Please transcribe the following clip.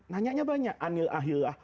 nanya banyak anil ahillah